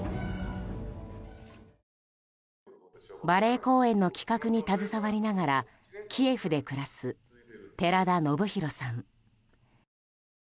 バレエ公演の企画に携わりながらキエフで暮らす寺田宜弘さん。